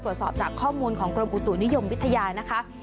ตรวจสอบจากข้อมูลของกรมอุตุนิยมวิทยานะคะ